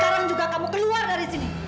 sekarang juga kamu keluar dari sini